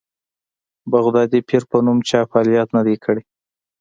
بغدادي پیر په نوم چا فعالیت نه دی کړی.